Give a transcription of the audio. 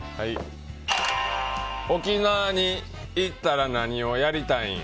「沖縄に行ったら何をやりたいん？